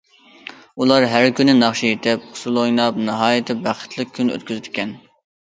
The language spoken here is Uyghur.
ئۇلار ھەر كۈنى ناخشا ئېيتىپ، ئۇسسۇل ئويناپ ناھايىتى بەختلىك كۈن ئۆتكۈزىدىكەن.